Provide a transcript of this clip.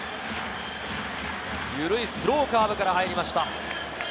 ゆるいスローカーブから入りました。